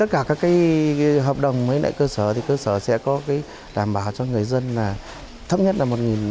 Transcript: các hợp đồng mấy nã cơ sở sẽ đảm bảo cho người dân là thấp nhất là một năm trăm linh đồng